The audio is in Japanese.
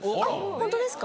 本当ですか？